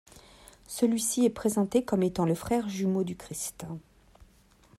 Celui-ci est présenté comme étant le frère jumeau du Christ.